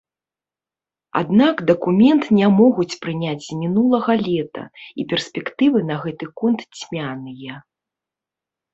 Аднак дакумент не могуць прыняць з мінулага лета, і перспектывы на гэты конт цьмяныя.